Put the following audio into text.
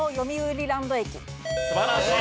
素晴らしい。